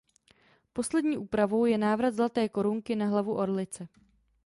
Poslední úpravou je návrat zlaté korunky na hlavu Orlice.